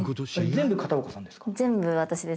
全部片岡さんですか？